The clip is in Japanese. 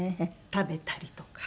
食べたりとか。